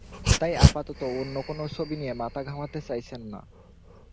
তাই আপাতত অন্য কোনো ছবি নিয়ে মাথা ঘামাতে চাইছেন না।